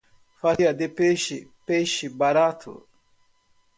Fatia de peixe, peixe barato.